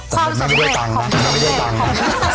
แต่มันไม่ได้ดังนะความสำเร็จของมันไม่ได้ดังน่ะ